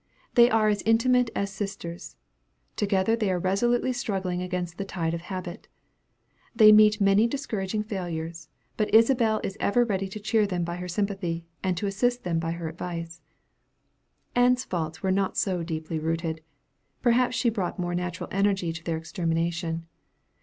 They are as intimate as sisters. Together they are resolutely struggling against the tide of habit. They meet many discouraging failures; but Isabel is ever ready to cheer them by her sympathy, and to assist them by her advice. Ann's faults were not so deeply rooted; perhaps she brought more natural energy to their extermination.